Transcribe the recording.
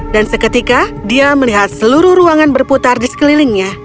dan seketika dia melihat seluruh ruangan berputar di sekelilingnya